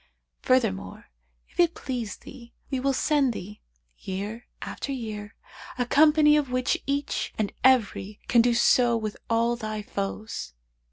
Furthermore if it please thee we will send thee, year after year, a company of which each and every can so do with all thy foes.'"